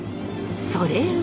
それは。